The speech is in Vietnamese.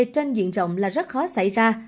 trên diện rộng là rất khó xảy ra